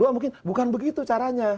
dua mungkin bukan begitu caranya